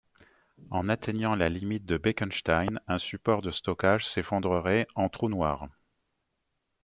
En atteignant la limite de Bekenstein, un support de stockage s'effondrerait en trou noir.